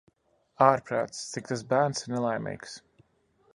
Ārprāts, cik tas bērns ir nelaimīgs!